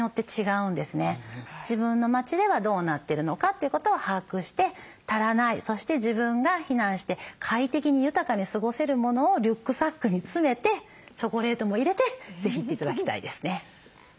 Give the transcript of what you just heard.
自分の町ではどうなってるのかということを把握して足らないそして自分が避難して快適に豊かに過ごせるものをリュックサックに詰めてチョコレートも入れて是非行って頂きたいですね。